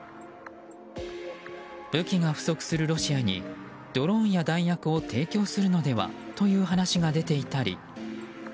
武器が不足するロシアにドローンや弾薬を提供するのでは？という話が出ていたり。